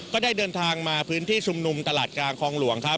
ก็ได้เดินทางมาพื้นที่ชุมนุมตลาดกลางคลองหลวงครับ